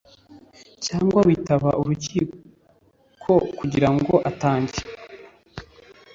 cyangwa witaba urukiko kugira ngo atange